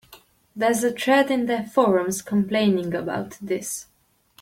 There's a thread in their forums complaining about this.